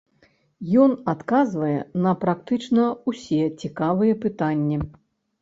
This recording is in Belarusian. Ён адказвае на практычна ўсе цікавыя пытанні.